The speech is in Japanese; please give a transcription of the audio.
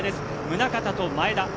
宗像と前田。